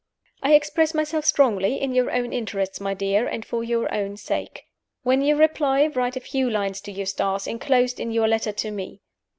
"I express myself strongly, in your own interests, my dear, and for your own sake. When you reply, write a few lines to Eustace, inclosed in your letter to me.